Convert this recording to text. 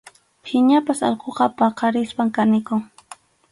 Phiñasqa allquqa qaparispam kanikun.